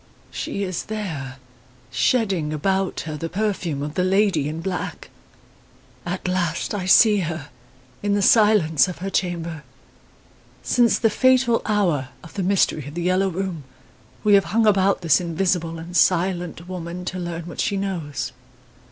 "She is there, shedding about her the perfume of the lady in black. At last, I see her, in the silence of her chamber. Since the fatal hour of the mystery of "The Yellow Room", we have hung about this invisible and silent woman to learn what she knows.